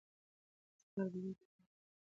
د استقلال بیرغ به تل رپاند وي.